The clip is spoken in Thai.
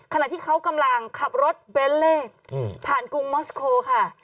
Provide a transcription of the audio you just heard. ขณะที่เขากำลังขับรถเบนเล่ผ่านกรุงมอสโคค่ะ